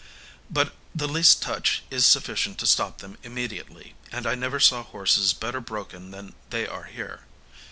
But the least touch is sufficient to stop them immediately, and I never saw horses better broken than they are here.